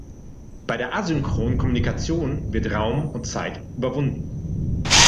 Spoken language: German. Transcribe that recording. Bei der asynchronen Kommunikation wird Raum und Zeit überwunden.